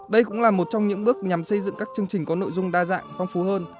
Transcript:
đây cũng là một trong những bước nhằm xây dựng các chương trình có nội dung đa dạng phong phú hơn